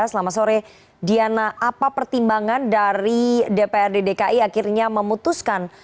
selamat sore diana apa pertimbangan dari dprd dki akhirnya memutuskan